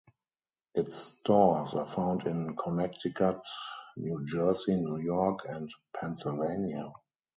Its stores are found in Connecticut, New Jersey, New York, and Pennsylvania.